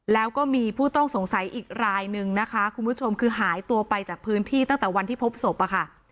แล้วก็มีผู้ต้องสงสัยอีกรายนึงนะคะคุณผู้ชมคือหายตัวไปจากพื้นที่ตั้งแต่วันที่พบศพอะค่ะ